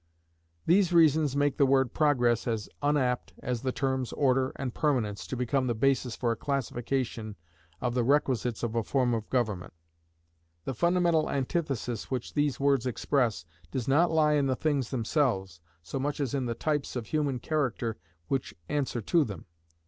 These reasons make the word Progress as unapt as the terms Order and Permanence to become the basis for a classification of the requisites of a form of government. The fundamental antithesis which these words express does not lie in the things themselves, so much as in the types of human character which answer to them.